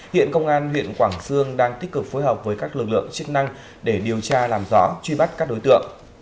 hiện công an huyện quảng sương đang tích cực phối hợp với các lực lượng chức năng để điều tra làm rõ truy bắt các đối tượng